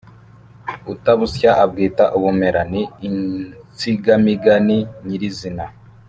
“utabusya abwita ubumera” ni insigamugani nyirizina.